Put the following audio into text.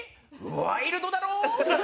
ワイルドだろぉ？